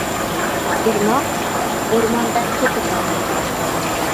Irmoq oʻrmondan ketib borardi.